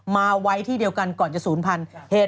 มาไว้ที่เดียวกันก่อนจะศูนย์พันธุ์